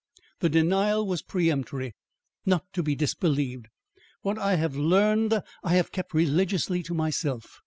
The denial was peremptory, not to be disbelieved. "What I have learned, I have kept religiously to myself.